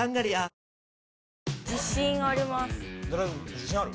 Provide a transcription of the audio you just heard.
自信ある？